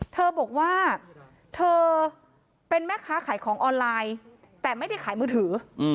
เธอบอกว่าเธอเป็นแม่ค้าขายของออนไลน์แต่ไม่ได้ขายมือถือ